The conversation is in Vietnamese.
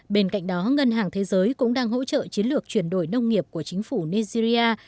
bên cạnh đó ngân hàng thế giới cũng đang hỗ trợ chiến lược chuyển đổi nông nghiệp của chính phủ nigeria